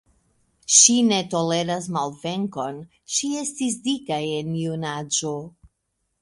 Ŝi ne toleras malvenkon, ŝi estis dika en junaĝo.